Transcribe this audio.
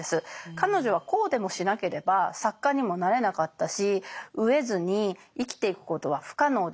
彼女はこうでもしなければ作家にもなれなかったし飢えずに生きていくことは不可能でした。